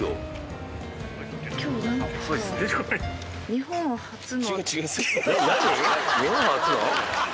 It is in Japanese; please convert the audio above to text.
日本初の？